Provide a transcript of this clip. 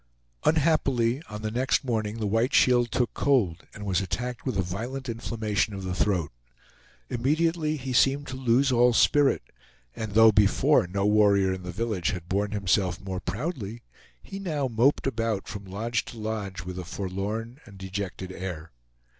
Unhappily on the next morning the White Shield took cold and was attacked with a violent inflammation of the throat. Immediately he seemed to lose all spirit, and though before no warrior in the village had borne himself more proudly, he now moped about from lodge to lodge with a forlorn and dejected air.